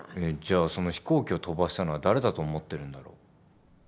えっじゃあその飛行機を飛ばしたのは誰だと思ってるんだろう？